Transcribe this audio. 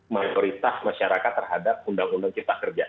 maturitas masyarakat terhadap undang undang kita kerja